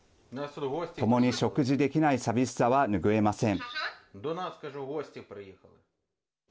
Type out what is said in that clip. ともに食事できない寂しさはぬぐえません。